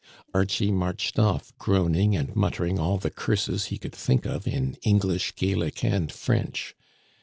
Archie marched off groaning and muttering all the curses he could think of in English, Gaelic, and French.